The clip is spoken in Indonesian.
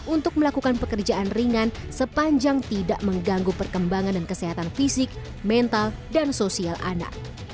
untuk melakukan pekerjaan ringan sepanjang tidak mengganggu perkembangan dan kesehatan fisik mental dan sosial anak